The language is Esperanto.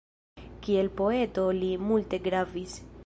Kiel poeto li multe gravis.